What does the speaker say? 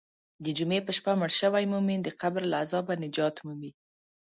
د جمعې په شپه مړ شوی مؤمن د قبر له عذابه نجات مومي.